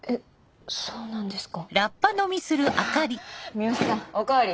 三好さんお代わり。